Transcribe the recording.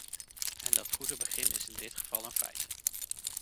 En dat goede begin is in dit geval een feit.